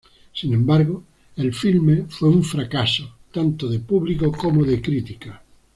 Sin embargo, el filme fue un fracaso tanto de público como de crítica.